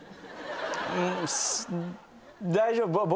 大丈夫。